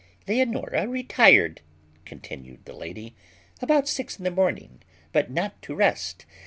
Leonora retired (continued the lady) about six in the morning, but not to rest.